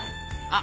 あ！